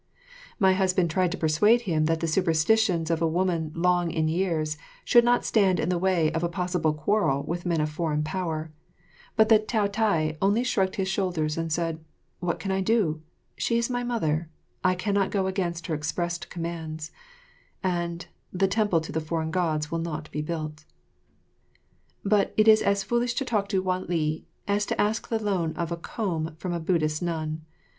My husband tried to persuade him that the superstitions of a woman long in years should not stand in the way of a possible quarrel with men of a foreign power, but the Taotai only shrugged his shoulders and said, "What can I do? She is my mother. I cannot go against her expressed commands;" and the temple to the foreign God will not be built. [Illustration: Mylady16.] But it is as foolish to talk to Wan li as "to ask the loan of a comb from a Buddhist nun."